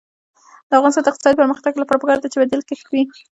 د افغانستان د اقتصادي پرمختګ لپاره پکار ده چې بدیل کښت وي.